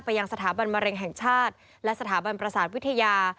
ยังสถาบันมะเร็งแห่งชาติและสถาบันประสาทวิทยา